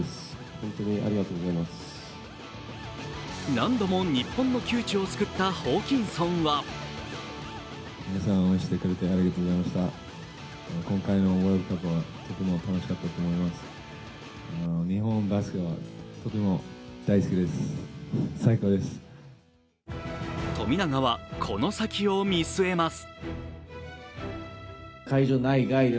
何度も日本の窮地を救ったホーキンソンは富永はこの先を見据えます。